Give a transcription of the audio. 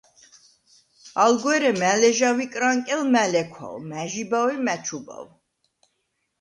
ალ გვერე მა̈ ლეჟავ იკრანკელ, მა̈ ლექვავ, მა̈ ჟიბავ ი მა̈ ჩუბავ.